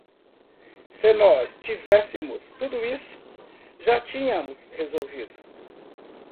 Se nós tivéssemos tudo isso, já tínhamos resolvido